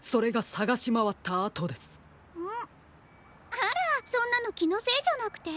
あらそんなのきのせいじゃなくて？